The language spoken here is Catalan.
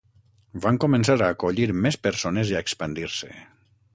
Van començar a acollir més persones i a expandir-se.